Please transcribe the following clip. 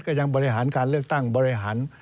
บริหารการเลือกตั้งบริหาร